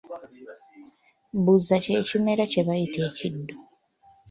Bbuza kye kimera kye bayita ekiddo.